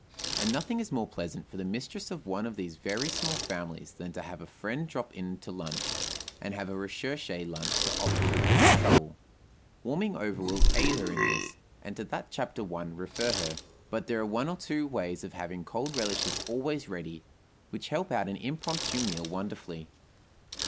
And nothing is more pleasant for the mistress of one of these very small families than to have a friend drop in to lunch, and have a recherché lunch to offer with little trouble. Warming over will aid her in this, and to that chapter I refer her; but there are one or two ways of having cold relishes always ready, which help out an impromptu meal wonderfully.